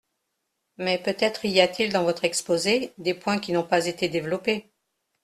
Mais peut-être y a-t-il dans votre exposé des points qui n’ont pas été développés.